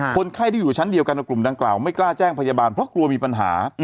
คนไข้ที่อยู่ชั้นเดียวกันกับกลุ่มดังกล่าวไม่กล้าแจ้งพยาบาลเพราะกลัวมีปัญหา